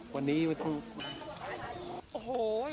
ทั้งที่ไม่เคยมีปัญหาอะไรกันมาก่อนเลย